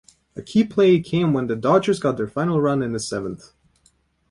A key play came when the Dodgers got their final run in the seventh.